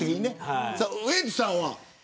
ウエンツさんは。